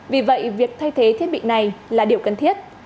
vì vậy việc thay thế thiết bị này là điều cần thiết